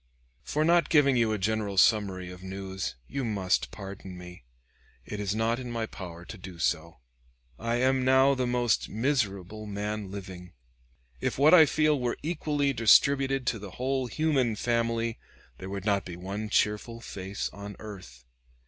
For not giving you a general summary of news, you must pardon me; it is not in my power to do so. I am now the most miserable man living. If what I feel were equally distributed to the whole human family, there would not be one cheerful face on earth.